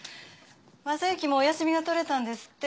昌之もお休みが取れたんですって。